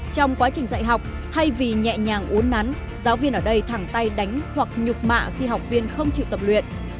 trong quá trình dạy học thay vì nhẹ nhàng uốn nắn giáo viên ở đây thẳng tay đánh hoặc nhục mạ khi học viên không chịu tập luyện